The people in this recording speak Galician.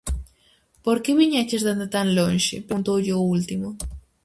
"Por que viñeches dende tan lonxe?", preguntoulle o último.